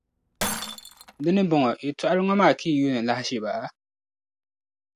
Di ni bɔŋɔ, yɛtɔɣili ŋɔ maa ka yi yuuni lahiʒiba?